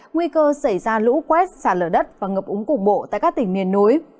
nguy cơ xảy ra lũ quét xả lở đất và ngập úng cục bộ tại các tỉnh miền núi